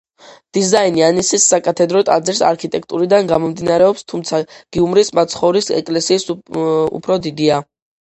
დიზაინი ანისის საკათედრო ტაძრის არქიტექტურიდან გამომდინარეობს, თუმცა გიუმრის მაცხოვრის ეკლესიის უფრო დიდია.